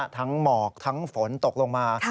หมอกทั้งฝนตกลงมา